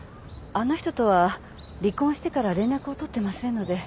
あの人とは離婚してから連絡を取ってませんので。